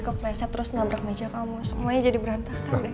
ken expresspun aku tak pernah dapat